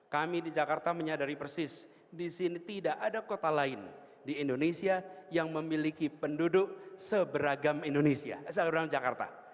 kami di jakarta menyadari persis di sini tidak ada kota lain di indonesia yang memiliki penduduk seberagam indonesia